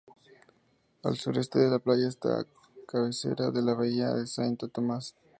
Al sureste de la playa está la cabecera de la bahía de Saint Thomas.